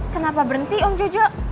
kenapa berhenti om yujo